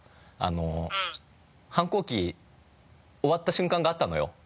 あの反抗期終わった瞬間があったのよ。